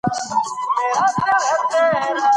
که پښتو ژبه وي، نو کلتوري پانګه به وساتل سي.